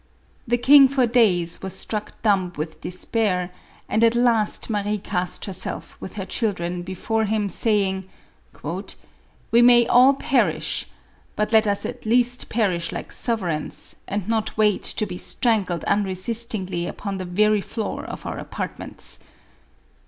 The king for days was struck dumb with despair; and at last Marie cast her self, with her children, before him, saying, " We may all perish, but let us at least perish like sovereigns, and not wait to be strangled unresistingly upon the very floor of our apartments."